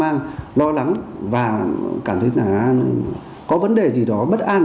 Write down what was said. hoang mang lo lắng và cảm thấy có vấn đề gì đó bất an